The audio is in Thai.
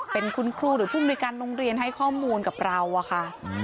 เป็นคุณครูหรือผู้มนุยการโรงเรียนให้ข้อมูลกับเราอะค่ะ